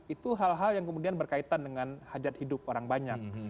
itu hal hal yang kemudian berkaitan dengan hajat hidup orang banyak